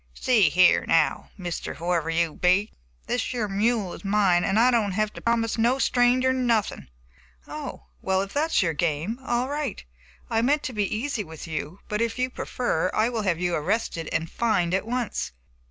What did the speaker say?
"See here, now, Mr. Whoever you be, this yer mule is mine, and I don't have to promise no stranger nothin'." "Oh, well, if that is your game, all right. I meant to be easy with you, but, if you prefer, I will have you arrested and fined at once."